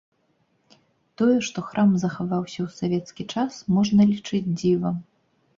Тое, што храм захаваўся ў савецкі час, можна лічыць дзівам.